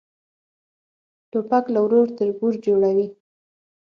توپک له ورور تربور جوړوي.